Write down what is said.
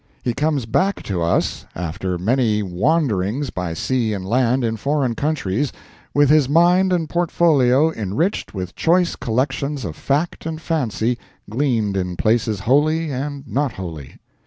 He comes back to us after many wanderings by sea and land in foreign countries, with his mind and portfolio enriched with choice collections of fact and fancy gleaned in places holy and not holy.